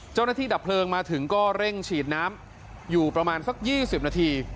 เจ้านาที่ดับเพลิงมาถึงเร่งฉีดน้ำอยู่ประมาณสัก๒๐นาที